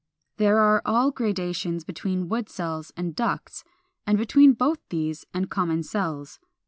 There are all gradations between wood cells and ducts, and between both these and common cells.